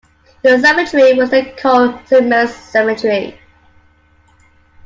The cemetery was then called Saint Mary's Cemetery.